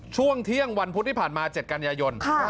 ช่วงเที่ยงวันพุธที่ผ่านมา๗กันยายน